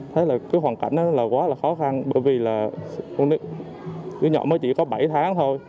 thấy là cái hoàn cảnh đó là quá là khó khăn bởi vì là con đứa nhỏ mới chỉ có bảy tháng thôi